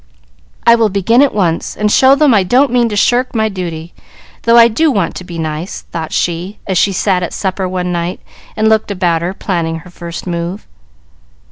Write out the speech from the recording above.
"I will begin at once, and show them that I don't mean to shirk my duty, though I do want to be nice," thought she, as she sat at supper one night and looked about her, planning her first move.